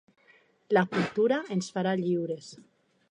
La cultura ens farà lliures.